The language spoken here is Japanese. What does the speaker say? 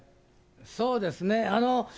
そうですね。